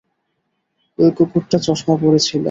ওই কুকুরটা চশমা পরে ছিল।